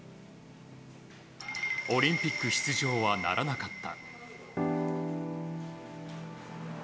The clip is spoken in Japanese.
オリンピック出場はならなかった。